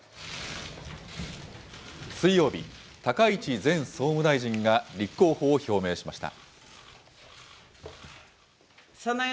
水曜日、高市前総務大臣が立候補を表明しました。